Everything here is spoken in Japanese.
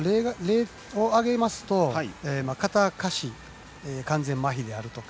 例を挙げますと片下肢完全まひであるとか。